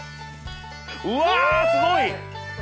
うわすごい！え！